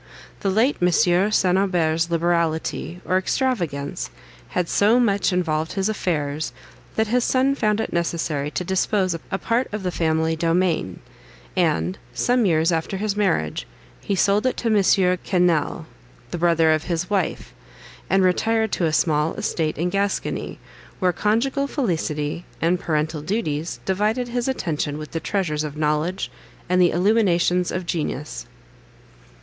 The late Monsieur St. Aubert's liberality, or extravagance, had so much involved his affairs, that his son found it necessary to dispose of a part of the family domain, and, some years after his marriage, he sold it to Monsieur Quesnel, the brother of his wife, and retired to a small estate in Gascony, where conjugal felicity, and parental duties, divided his attention with the treasures of knowledge and the illuminations of genius.